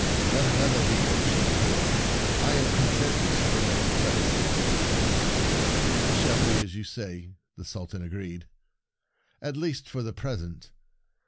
Let another be your Chief Critic; I am content to remain Treasurer." " It shall be as you say," the Sultan agreed ;" at least, for the present.